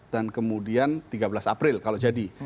dan kemudian tiga belas april kalau jadi